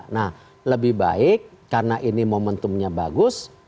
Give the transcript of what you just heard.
nah lebih baik karena ini momentumnya bagus